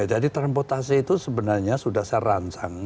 jadi transportasi itu sebenarnya sudah saya rancang